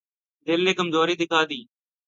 دل نے کمزوری دکھا دی۔